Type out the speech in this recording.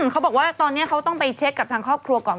เขาบอกว่าตอนนี้เขาต้องไปเช็คกับทางครอบครัวก่อน